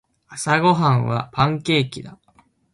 朝ごはんはパンケーキだ。